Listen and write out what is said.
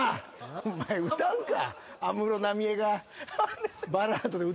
お前歌うか！